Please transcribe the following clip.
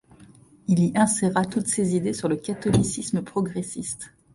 Il y inséra toutes ses idées sur le catholicisme progressiste.